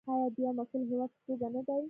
آیا د یو مسوول هیواد په توګه نه دی؟